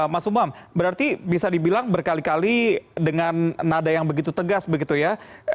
mas umam berarti bisa dibilang berkali kali dengan nada yang begitu tegas begitu ya